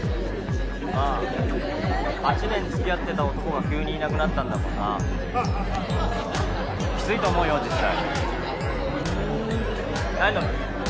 まぁ８年つきあってた男が急にいなくなったんだもんなきついと思うよ実際ふーん何飲む？